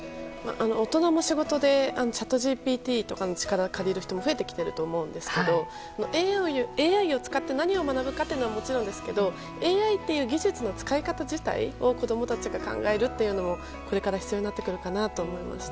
大人も仕事でＣｈａｔＧＰＴとかの力を借りる人も増えてきていると思うんですけどＡＩを使って何を学ぶかはもちろんですけどＡＩという技術の使い方自体を子供たちが考えるというのもこれから必要になってくるかなと思いました。